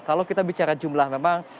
kalau kita bicara jumlah memang